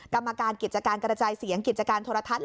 กรรมการกิจการกระจายเสียงกิจการโทรทัศน์